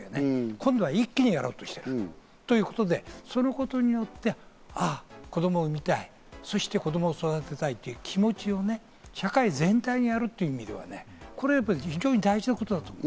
今度は一気にやろうとしているということで、そのことによって、子供を産みたい、子供育てたいという気持ちをね、社会全体にやるという意味ではね、これ、非常に大事なことだと思う。